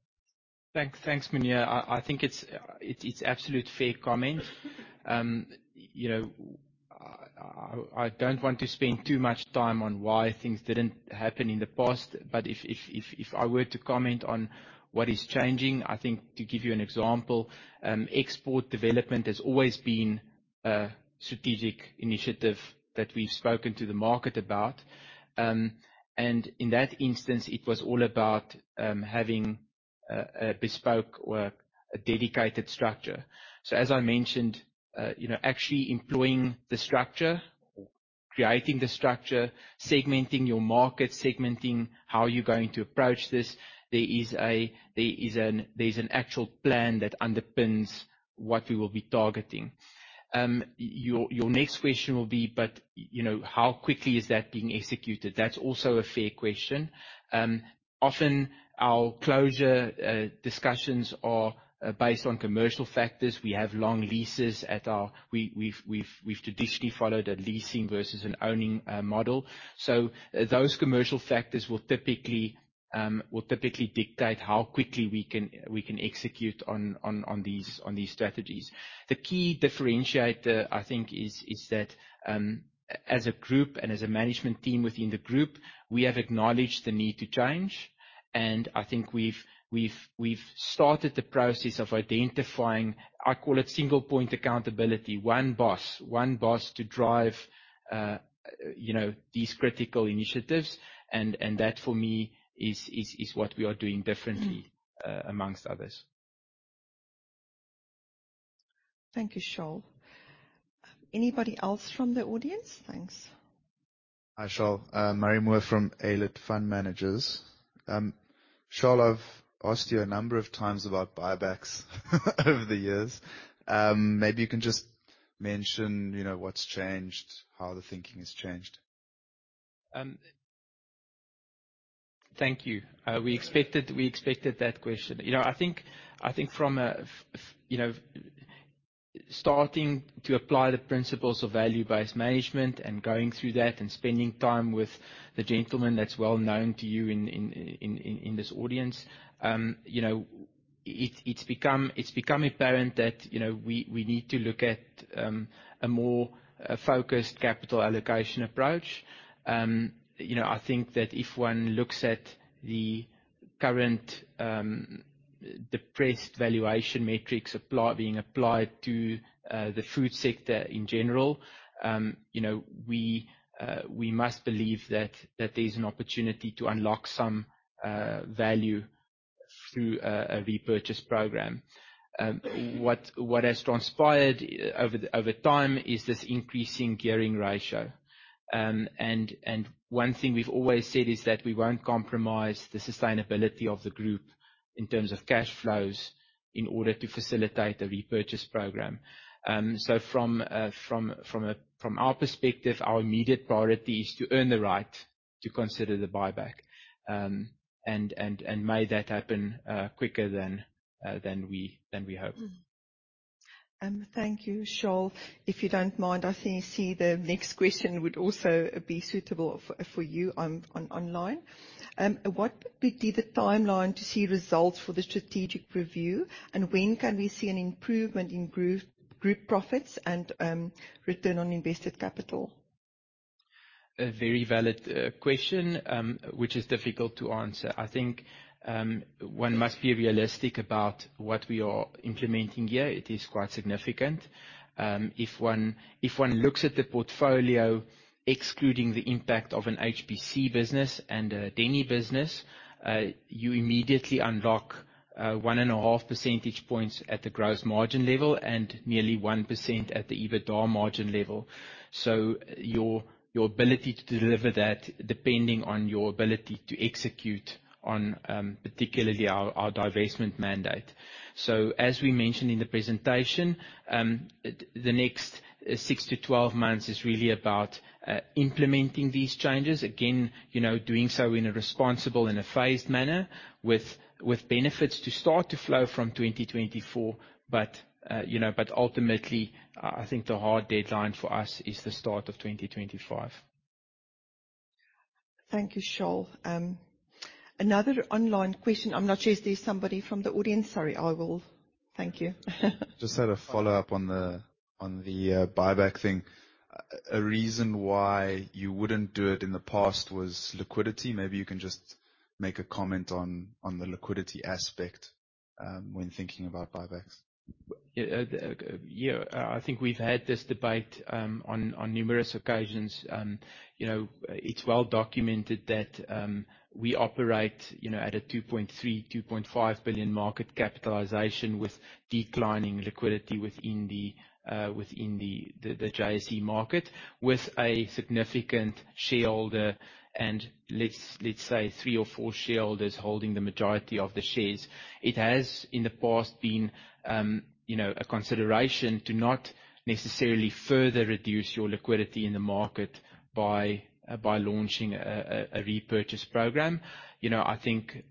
Thanks, Muneer. I think it is absolute fair comment. I don't want to spend too much time on why things didn't happen in the past, but if I were to comment on what is changing, I think to give you an example, export development has always been a strategic initiative that we have spoken to the market about. In that instance, it was all about having a bespoke or a dedicated structure. As I mentioned, actually employing the structure, creating the structure, segmenting your market, segmenting how you are going to approach this, there is an actual plan that underpins what we will be targeting. Your next question will be, how quickly is that being executed? That is also a fair question. Often our closure discussions are based on commercial factors. We have long leases. We have traditionally followed a leasing versus an owning model. Those commercial factors will typically dictate how quickly we can execute on these strategies. The key differentiator, I think, is that as a group and as a management team within the group, we have acknowledged the need to change. I think we have started the process of identifying, I call it single point accountability, one boss. One boss to drive these critical initiatives, and that for me is what we are doing differently amongst others. Thank you, Charl. Anybody else from the audience? Thanks. Hi, Charl. Murray Moore from Aylett Fund Managers. Charl, I have asked you a number of times about buybacks over the years. Maybe you can just mention what has changed, how the thinking has changed. Thank you. We expected that question. I think from starting to apply the principles of value-based management and going through that and spending time with the gentleman that's well known to you in this audience, it's become apparent that we need to look at a more focused capital allocation approach. I think that if one looks at the current depressed valuation metrics being applied to the food sector in general, we must believe that there's an opportunity to unlock some value through a repurchase program. What has transpired over time is this increasing gearing ratio. One thing we've always said is that we won't compromise the sustainability of the group in terms of cash flows in order to facilitate a repurchase program. From our perspective, our immediate priority is to earn the right to consider the buyback, and may that happen quicker than we hope. Thank you, Charl. If you don't mind, I think, the next question would also be suitable for you online. What would be the timeline to see results for the strategic review, and when can we see an improvement in group profits and return on invested capital? A very valid question, which is difficult to answer. I think one must be realistic about what we are implementing here. It is quite significant. If one looks at the portfolio, excluding the impact of an HPC business and a Denny business, you immediately unlock one and a half percentage points at the gross margin level and nearly 1% at the EBITDA margin level. Your ability to deliver that, depending on your ability to execute on particularly our divestment mandate. As we mentioned in the presentation, the next six to 12 months is really about implementing these changes. Again, doing so in a responsible and a phased manner with benefits to start to flow from 2024. Ultimately, I think the hard deadline for us is the start of 2025. Thank you, Charl. Another online question. I'm not sure if there's somebody from the audience. Sorry, I will. Thank you. Just had a follow-up on the buyback thing. A reason why you wouldn't do it in the past was liquidity. Maybe you can just make a comment on the liquidity aspect, when thinking about buybacks. Yeah. I think we've had this debate on numerous occasions. It is well documented that we operate at a 2.3 billion-2.5 billion market capitalization with declining liquidity within the JSE market, with a significant shareholder, and let's say three or four shareholders holding the majority of the shares. It has, in the past been, a consideration to not necessarily further reduce your liquidity in the market by launching a repurchase program. I think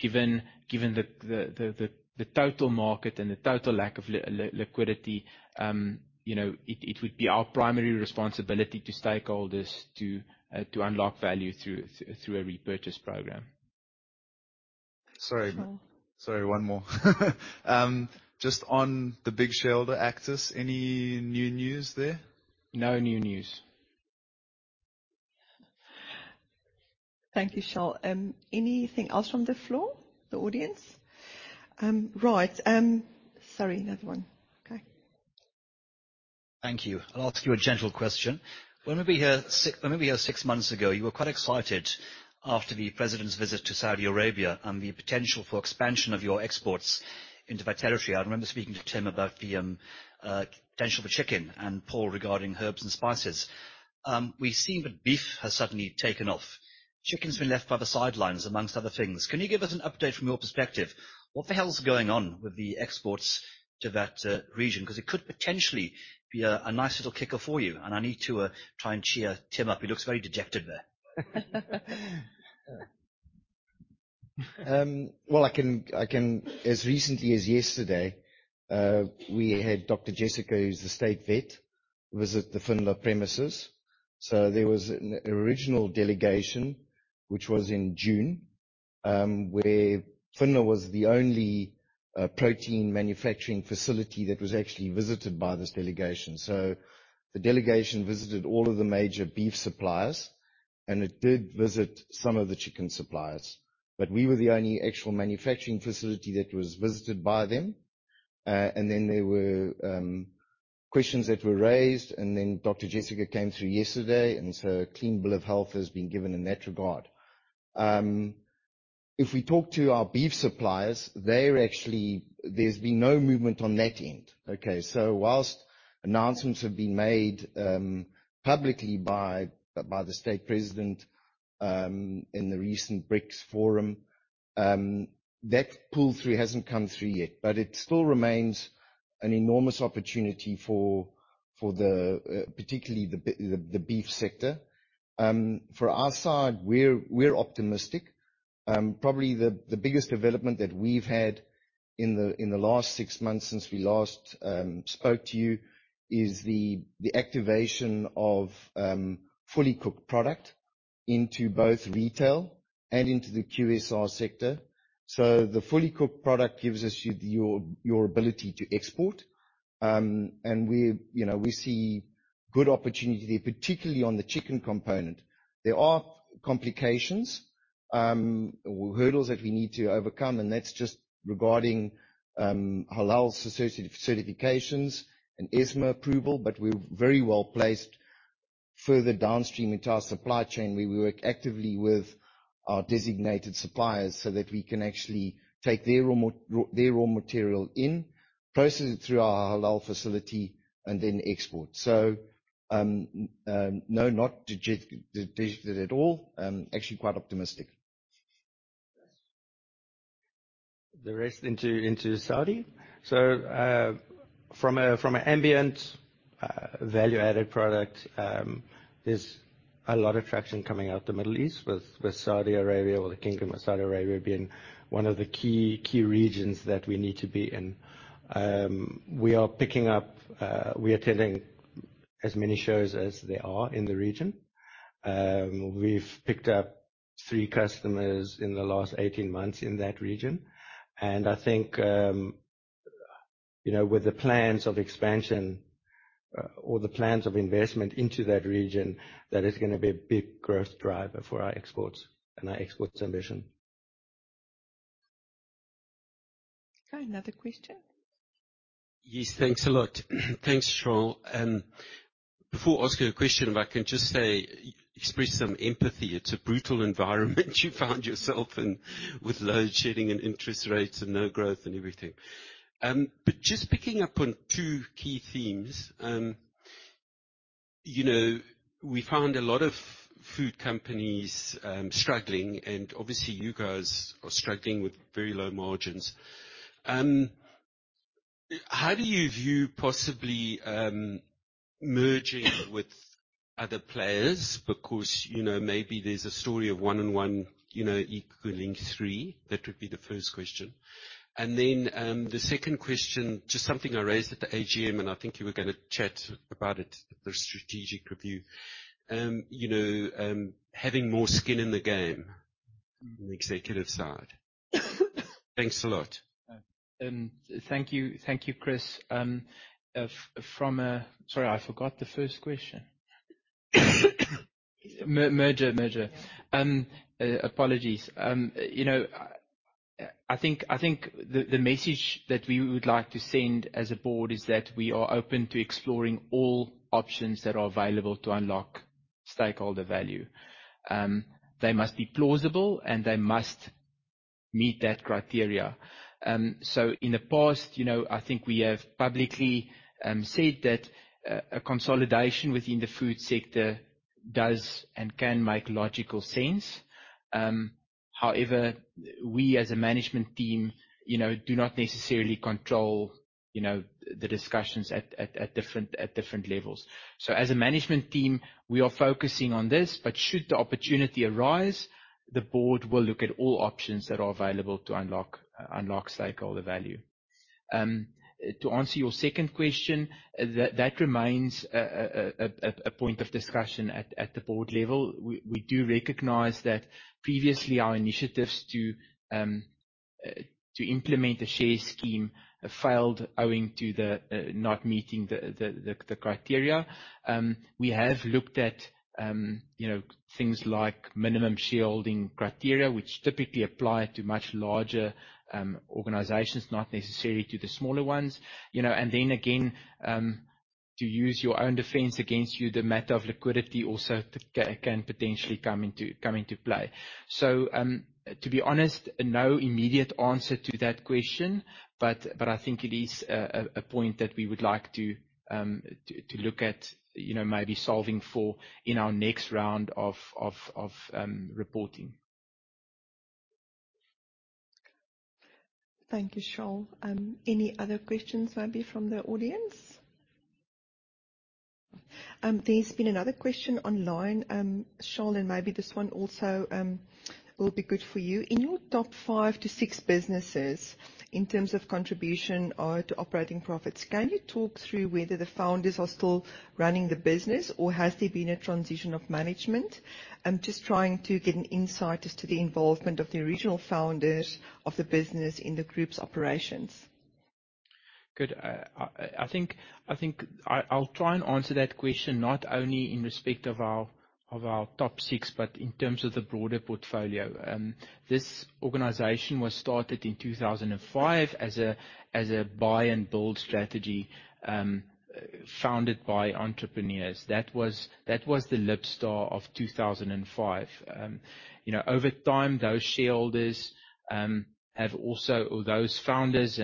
given the total market and the total lack of liquidity, it would be our primary responsibility to stakeholders to unlock value through a repurchase program. Sorry. Charl. Sorry, one more. Just on the big shareholder, Actis, any new news there? No new news. Thank you, Charl. Anything else from the floor, the audience? Right. Sorry, another one. Okay. Thank you. I'll ask you a general question. When we were here six months ago, you were quite excited after the president's visit to Saudi Arabia and the potential for expansion of your exports into that territory. I remember speaking to Tim about the potential for chicken, and Paul regarding herbs and spices. We've seen that beef has suddenly taken off. Chicken's been left by the sidelines, amongst other things. Can you give us an update from your perspective? What the hell's going on with the exports to that region? It could potentially be a nice little kicker for you, and I need to try and cheer Tim up. He looks very dejected there. Well, as recently as yesterday, we had Dr. Jessica, who's the state vet, visit the Finlar premises. There was an original delegation, which was in June, where Finlar was the only protein manufacturing facility that was actually visited by this delegation. Then there were questions that were raised, and then Dr. Jessica came through yesterday. A clean bill of health has been given in that regard. If we talk to our beef suppliers, there's been no movement on that end. Whilst announcements have been made publicly by the state president, in the recent BRICS forum, that pull through hasn't come through yet. It still remains an enormous opportunity particularly the beef sector. For our side, we're optimistic. Probably the biggest development that we've had in the last six months since we last spoke to you is the activation of fully cooked product into both retail and into the QSR sector. The fully cooked product gives us your ability to export. We see good opportunity there, particularly on the chicken component. There are complications, hurdles that we need to overcome, and that's just regarding halal certifications and ESMA approval. We're very well placed further downstream into our supply chain, where we work actively with our designated suppliers so that we can actually take their raw material in, process it through our halal facility, and then export. No, not dejected at all. Actually quite optimistic. The rest into Saudi. From an ambient value-added product, there's a lot of traction coming out the Middle East with Saudi Arabia or the Kingdom of Saudi Arabia being one of the key regions that we need to be in. We are attending as many shows as there are in the region. We've picked up three customers in the last 18 months in that region, and I think with the plans of expansion or the plans of investment into that region, that is going to be a big growth driver for our exports and our export ambition. Okay. Another question. Yes. Thanks a lot. Thanks, Charl. Before asking a question, if I can just say, express some empathy. It's a brutal environment you found yourself in with load shedding and interest rates and no growth and everything. Just picking up on two key themes. We found a lot of food companies struggling, and obviously you guys are struggling with very low margins. How do you view possibly merging with other players? Because maybe there's a story of one and one equaling three. That would be the first question. The second question, just something I raised at the AGM, and I think you were going to chat about it at the strategic review. Having more skin in the game on the executive side. Thanks a lot. Thank you, Chris. Sorry, I forgot the first question. Merger. Apologies. I think the message that we would like to send as a board is that we are open to exploring all options that are available to unlock stakeholder value. They must be plausible, and they must meet that criteria. In the past, I think we have publicly said that a consolidation within the food sector does and can make logical sense. However, we as a management team do not necessarily control the discussions at different levels. As a management team, we are focusing on this, but should the opportunity arise, the board will look at all options that are available to unlock stakeholder value. To answer your second question, that remains a point of discussion at the board level. We do recognize that previously, our initiatives to implement a share scheme failed owing to not meeting the criteria. We have looked at things like minimum shareholding criteria, which typically apply to much larger organizations, not necessarily to the smaller ones. Then again, to use your own defense against you, the matter of liquidity also can potentially come into play. To be honest, no immediate answer to that question, but I think it is a point that we would like to look at maybe solving for in our next round of reporting. Thank you, Charl. Any other questions maybe from the audience? There's been another question online, Charl, and maybe this one also will be good for you. In your top five to six businesses, in terms of contribution to operating profits, can you talk through whether the founders are still running the business, or has there been a transition of management? I'm just trying to get an insight as to the involvement of the original founders of the business in the group's operations. Good. I think I'll try and answer that question, not only in respect of our top six, but in terms of the broader portfolio. This organization was started in 2005 as a buy and build strategy, founded by entrepreneurs. That was the Libstar of 2005. Over time, those shareholders have also, or those founders,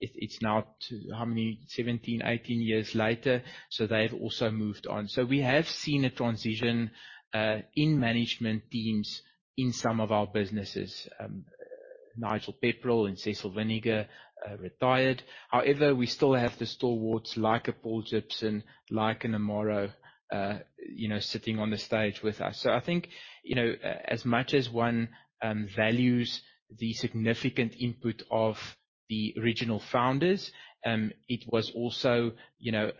it's now 17, 18 years later, they've also moved on. We have seen a transition in management teams in some of our businesses. Nigel Pepperell and Cecil Vinegar retired. However, we still have the stalwarts like a Paul Jibson, like an Amaro, sitting on the stage with us. I think, as much as one values the significant input of the original founders, it was also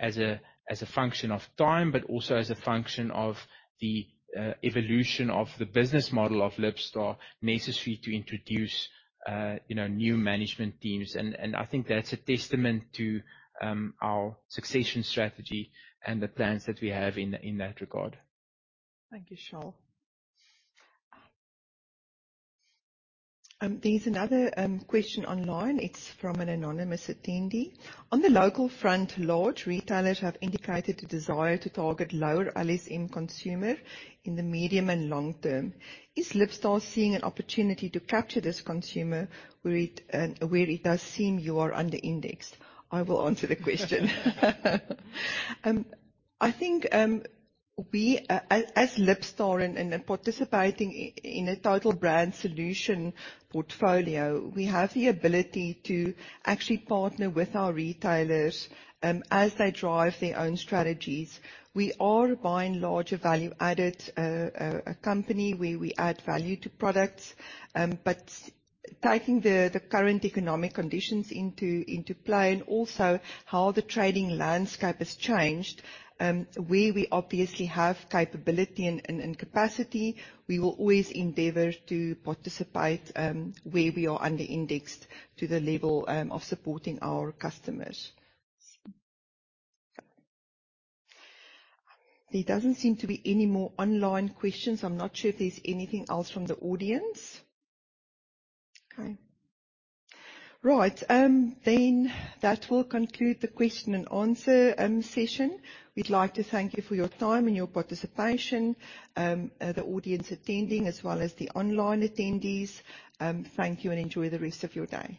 as a function of time, but also as a function of the evolution of the business model of Libstar, necessary to introduce new management teams. I think that's a testament to our succession strategy and the plans that we have in that regard. Thank you, Charl. There's another question online. It's from an anonymous attendee. On the local front, large retailers have indicated a desire to target lower LSM consumer in the medium and long term. Is Libstar seeing an opportunity to capture this consumer, where it does seem you are under indexed? I will answer the question. I think as Libstar and participating in a total brand solution portfolio, we have the ability to actually partner with our retailers, as they drive their own strategies. We are, by and large, a value-added company where we add value to products. Taking the current economic conditions into play and also how the trading landscape has changed, where we obviously have capability and capacity, we will always endeavor to participate where we are under indexed to the level of supporting our customers. There doesn't seem to be any more online questions. I'm not sure if there's anything else from the audience. Okay. Right. That will conclude the question and answer session. We'd like to thank you for your time and your participation, the audience attending, as well as the online attendees. Thank you, and enjoy the rest of your day.